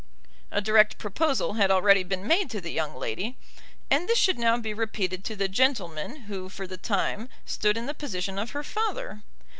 A direct proposal had already been made to the young lady, and this should now be repeated to the gentleman who for the time stood in the position of her father.